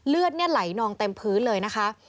เลือดไหลนองเต็มพื้นเลยนะคะ